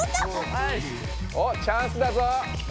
おっチャンスだぞ！